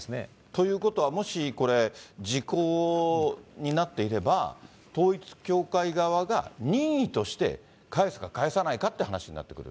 ということはもしこれ、時効になっていれば、統一教会側が任意として返すか返さないかという話になってくると。